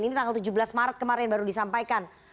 ini tanggal tujuh belas maret kemarin baru disampaikan